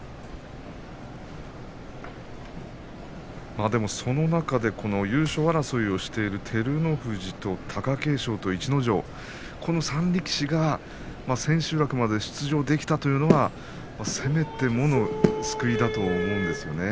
まあ、その中で優勝争いをしている照ノ富士と貴景勝と逸ノ城この３力士が千秋楽まで出場できたというのがせめてもの救いだと思うんですよね。